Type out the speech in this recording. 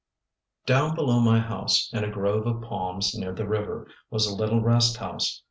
_ Down below my house, in a grove of palms near the river, was a little rest house.